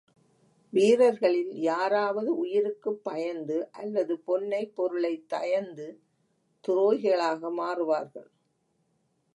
வீரர்களில் யாராவது உயிருக்குப் பயந்து அல்லது பொன்னை, பொருளை தயந்து துரோகிகளாக மாறுவார்கள்.